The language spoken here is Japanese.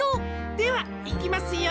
ではいきますよ！